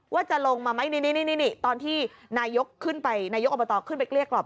ว่าจะลงมาไหมนี่ตอนที่นายกขึ้นไปนายกอบตขึ้นไปเกลี้ยกล่อม